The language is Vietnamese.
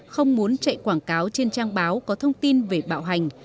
không muốn chạy quảng cáo trên trang báo có thông tin về bạo hành